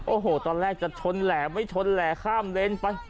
โอ้โหตอนแรกจะชนแหล่ไม่ชนแหล่ข้ามเลนไป